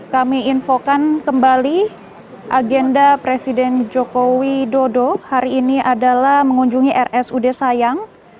kami infokan kembali agenda presiden jokowi dodo hari ini adalah mengunjungi rsu desa yang